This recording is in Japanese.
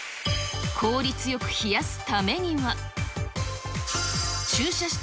効率よく冷やすためには、駐車し